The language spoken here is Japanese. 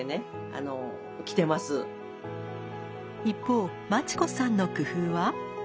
一方真知子さんの工夫は？